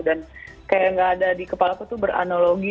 dan kayak gak ada di kepala aku tuh beranologi